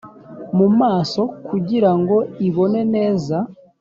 mu maso kugira ngo ibone neza